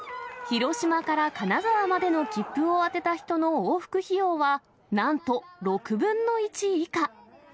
広島から金沢までの切符を当てた人の往復費用は、なんと６分の１以下。